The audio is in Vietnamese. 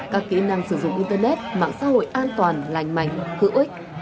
các kỹ năng sử dụng internet mạng xã hội an toàn lành mạnh hữu ích